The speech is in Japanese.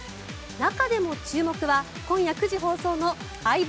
中でも注目は、今夜９時放送の「相棒」